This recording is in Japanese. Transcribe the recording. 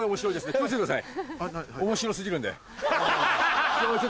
気を付けてください。